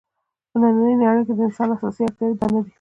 په نننۍ نړۍ کې د انسان اساسي اړتیاوې دا نه دي.